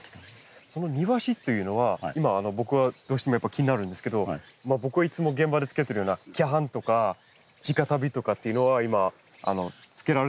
その庭師っていうのは今僕はどうしてもやっぱ気になるんですけど僕がいつも現場で着けてるような脚絆とか地下足袋とかっていうのは今着けられてるんですけど。